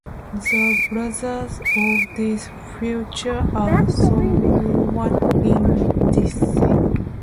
The borders of this feature are somewhat indistinct.